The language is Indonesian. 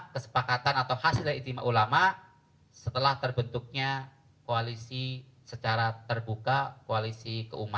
kesepakatan atau hasilnya istimewa ulama setelah terbentuknya koalisi secara terbuka koalisi keumatan